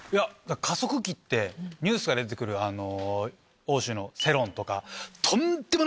加速器ってニュースで出てくる欧州のセルンとか。